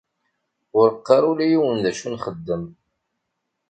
Ur qqar ula i yiwen d acu nxeddem.